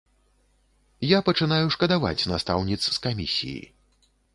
Я пачынаю шкадаваць настаўніц з камісіі.